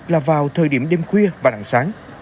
là vào thời điểm đêm khuya và nắng sáng